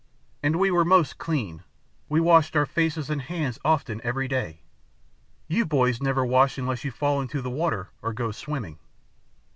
And we were most clean. We washed our faces and hands often every day. You boys never wash unless you fall into the water or go swimming."